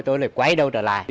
tôi lại quay đi